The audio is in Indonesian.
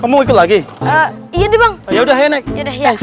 kamu itu lagi iya udah hai ini